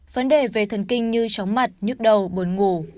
vấn đề về thần kinh như chóng mặt nhức đầu buồn ngủ